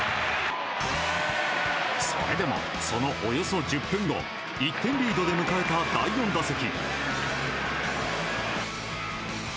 それでも、そのおよそ１０分後１点リードで迎えた第４打席。